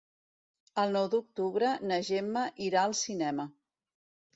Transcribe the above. El nou d'octubre na Gemma irà al cinema.